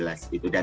dan ini sebetulnya